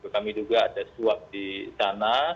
kami duga ada suap di sana